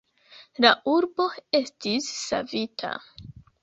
La urbo estis savita.